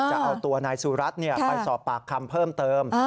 จะเอาตัวนายสุรัตน์ไปสอบปากคำเพิ่มเติม